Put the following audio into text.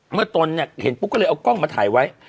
เมื่อต้นเห็นปุ๊กก็เลยเอากล้องมาถ่ายไว้